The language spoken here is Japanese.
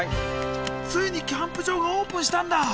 ついにキャンプ場がオープンしたんだ！